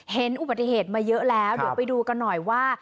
เห็นอุบัติเหตุมาเยอะแล้วเดี๋ยวไปดูกันหน่อยว่า